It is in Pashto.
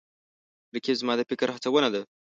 رقیب زما د فکر هڅونه ده